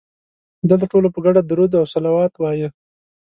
دلته ټولو په ګډه درود او صلوات وایه.